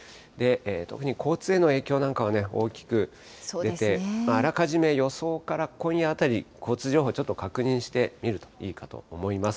特に交通への影響なんかは大きく出て、あらかじめ予想から今夜あたり、交通情報、ちょっと確認してみるといいかと思います。